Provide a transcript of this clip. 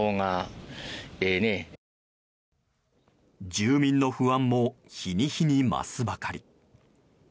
住民の不安も日に日に増すばかり。